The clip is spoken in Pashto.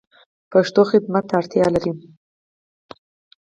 پښتو خدمت ته اړتیا لری